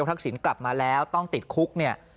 ทักษิณกลับมาแล้วต้องติดคุกเนี่ย